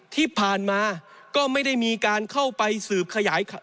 ที่ผ่านมาก็ไม่ได้มีการเข้าไปสืบขยาย